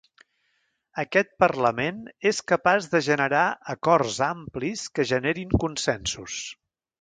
Aquest parlament és capaç de generar acords amplis que generin consensos.